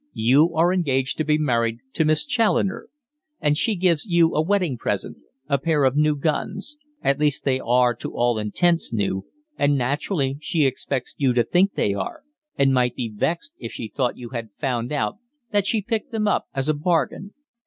"You are engaged to be married to Miss Challoner, and she gives you a wedding present a pair of new guns; at least they are to all intents new, and naturally she expects you to think they are, and might be vexed if she thought you had found out that she picked them up as a bargain.